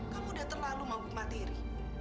kamu udah terlalu mabuk materi